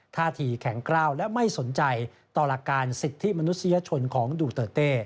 ท่าทีแข็งกล้าวและไม่สนใจต่อหลักการสิทธิมนุษยชนของดูเตอร์เต้